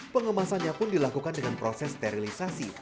pengemasannya pun dilakukan dengan proses sterilisasi